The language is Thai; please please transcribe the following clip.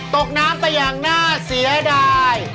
ตกน้ำไปอย่างน่าเสียดาย